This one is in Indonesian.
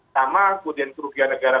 sama kemudian kerugian negara